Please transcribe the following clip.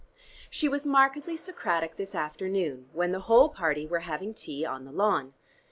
She was markedly Socratic this afternoon, when the whole party were having tea on the lawn.